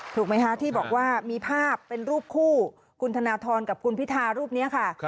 ถูกไหมคะที่บอกว่ามีภาพเป็นรูปคู่คุณธนทรกับคุณพิธารูปนี้ค่ะ